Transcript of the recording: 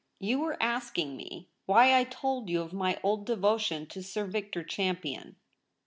You were asking me why I told you of my old devotion to Sir Victor Champion